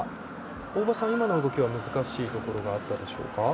大場さん、今の動きは難しいところがあったでしょうか。